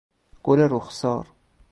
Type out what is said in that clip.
گل رخسار